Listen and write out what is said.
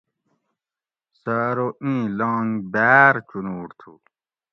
سہۤ ارو ایں لانگ بَیر چونوٹ تھو